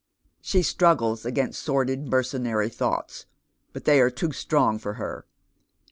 She struggles against sordid, mercenary thoughts, but they are too strong for her.